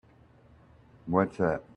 What's up?